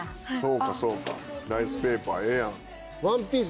そうかそうかライスペーパーええやん。